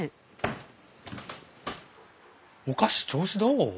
お菓子調子どう？